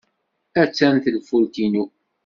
Attan tenfult-inu.